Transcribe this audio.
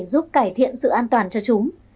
và cải thiện sự an toàn cho chúng